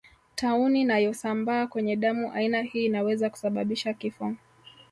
Tauni nayosambaa kwenye damu aina hii inaweza kusababisha kifo